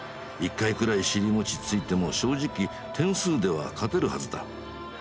一回くらい尻餅ついても正直点数では勝てるはずだ。